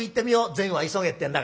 『善は急げ』ってんだからな。